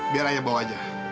biar ayah bawa aja